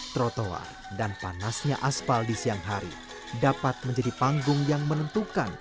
trotoar dan panasnya aspal di siang hari dapat menjadi panggung yang menentukan